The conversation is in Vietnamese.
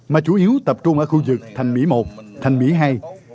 mà chủ yếu tập trung ở khu vực thành mỹ một thành mỹ hai